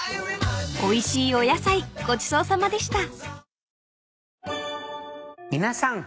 ［おいしいお野菜ごちそうさまでした］